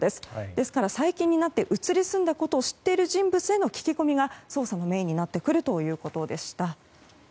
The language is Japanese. ですから、最近になって移り住んだことを知っている人物への聞き込みが、捜査のメインになってくるということでした。